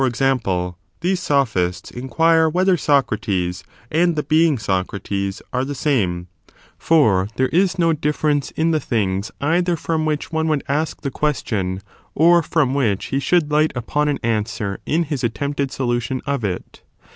^. example, these sophists inquire whether Soorates and the being Socrates are the same 1 For there is no differ ence in the things either from which one would ask the question, or from, which he should light upon an answer in his attempted solution of it.